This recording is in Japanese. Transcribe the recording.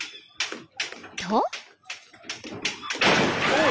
［と］